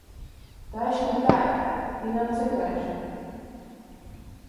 Taišni tai i na cytaiži!